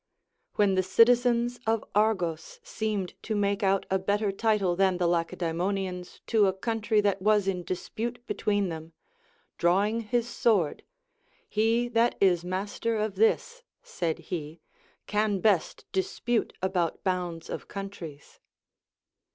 AVhen the citizens of Argos seemed to make out a better title than the Lacedaemonians to a country that was in dispute be tween them, drawing his sword. He that is master of this, said he, can best dispute about bounds of countries.